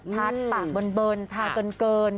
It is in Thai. ปากเบิร์นทาเกิน